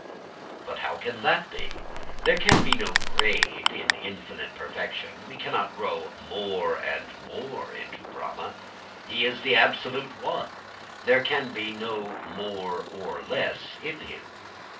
But how can that be? There can be no grade in infinite perfection. We cannot grow more and more into Brahma. He is the absolute one, and there can be no more or less in him.